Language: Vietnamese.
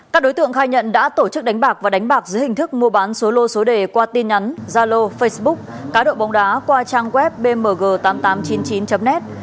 các đối tượng khai nhận đã tổ chức đánh bạc và đánh bạc dưới hình thức mua bán số lô số đề qua tin nhắn gia lô facebook cá độ bóng đá qua trang web bmg tám nghìn tám trăm chín mươi chín net